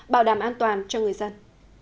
bảo đảm an toàn cho người dân